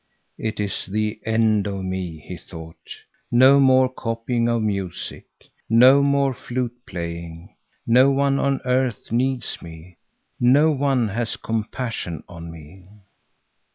"It is the end of me," he thought. "No more copying of music, no more flute playing. No one on earth needs me; no one has compassion on me."